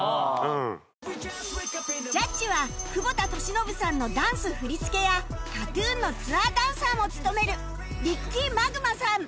ジャッジは久保田利伸さんのダンス振り付けや ＫＡＴ−ＴＵＮ のツアーダンサーも務める ＲＩＣＫＹＭＡＧＭＡ さん